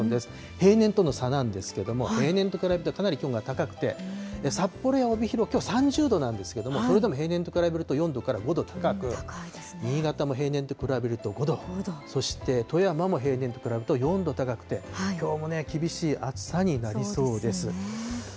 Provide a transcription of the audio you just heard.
平年との差なんですけど、平年と比べてかなり気温が高くて、札幌や帯広、きょう３０度なんですけども、これでも平年と比べると４度から５度高く、新潟も平年と比べると５度、そして富山も平年と比べると４度高くて、きょうもね、厳しい暑さになりそうです。